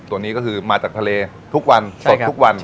ตัวนี้ก็คือมาจากทะเลทุกวันสดทุกวัน